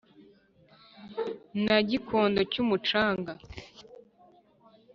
na gikondo cy’umucanga